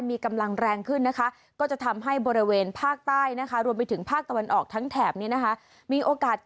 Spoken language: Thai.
มีกำลังแรงขึ้นนะคะก็จะทำให้บริเวณฝากใต้นะคะ